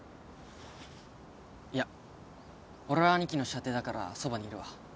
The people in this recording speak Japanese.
いや俺はアニキの舎弟だからそばにいるわ。